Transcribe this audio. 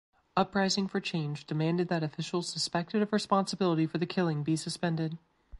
Uprising for Change demanded that officials suspected of responsibility for the killing be suspended.